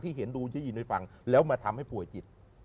เห็นดูได้ยินให้ฟังแล้วมาทำให้ป่วยจิต